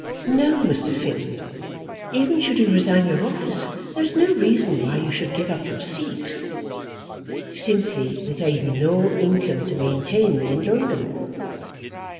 "No, Mr. Finn. Even should you resign your office, there is no reason why you should give up your seat." "Simply that I have no income to maintain me in London."